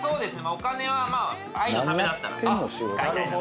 お金は愛のためだったら使いたいなと。